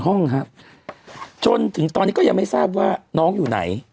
จนกลับรอจุดนี้ก็ยังไม่รู้ที่น้องอยู่ไหน